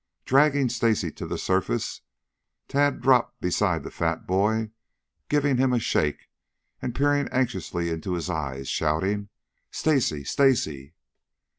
Dragging Stacy to the surface, Tad dropped beside the fat boy, giving him a shake and peering anxiously into his eyes, shouting, "Stacy! Stacy!"